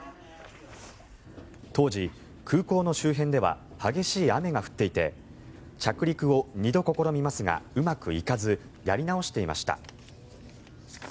当時、空港の周辺では激しい雨が降っていて着陸を２度試みますがうまくいかずやり直していました。